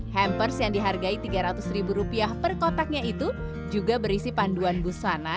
hampers yang dihargai tiga ratus ribu rupiah per kotaknya itu juga berisi panduan busana